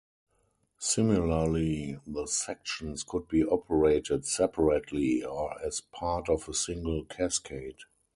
Similarly, the sections could be operated separately or as part of a single cascade.